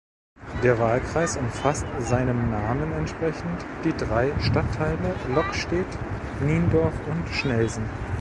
Der Wahlkreis umfasst seinem Namen entsprechend die drei Stadtteile Lokstedt, Niendorf und Schnelsen.